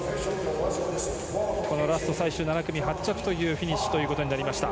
このラスト最終７組８着でのフィニッシュとなりました。